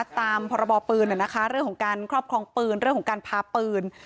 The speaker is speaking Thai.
ตามพรบปืนเรื่องของการครอบครองปืนเรื่องของการพาปืน